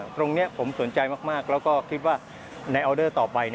ตรงนี้ผมสนใจมากแล้วก็คิดว่าในออเดอร์ต่อไป